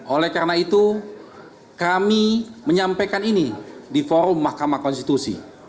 oleh karena itu kami menyampaikan ini di forum mahkamah konstitusi